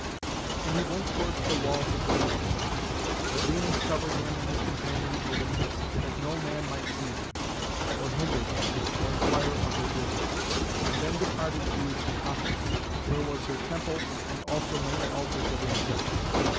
And he went towards the walls of the city. But Venus covered him and his companions with a mist, that no man might see them, or hinder them, or inquire of their business, and then departed to Paphos, where was her temple and also many altars of incense.